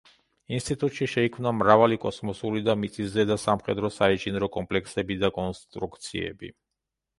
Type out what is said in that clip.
ინსტიტუტში შეიქმნა მრავალი კოსმოსური და მიწისზედა სამხედრო-საინჟინრო კომპლექსები და კონსტრუქციები.